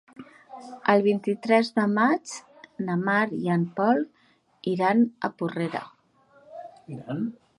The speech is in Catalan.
El vint-i-tres de maig na Mar i en Pol iran a Porrera.